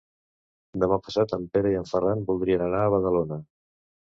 Demà passat en Pere i en Ferran voldrien anar a Badalona.